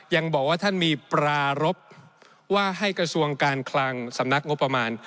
ยังบอกว่าท่านมีปรารบว่าให้กระทรวงการคลังสำนักงบประมาณ